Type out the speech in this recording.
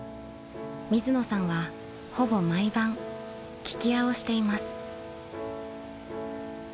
［水野さんはほぼ毎晩聞き屋をしています］